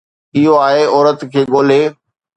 اهو آهي، عورت کي ڳولي.